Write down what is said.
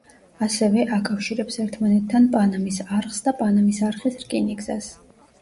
ასევ აკავშირებს ერთმანეთთან პანამის არხს და პანამის არხის რკინიგზას.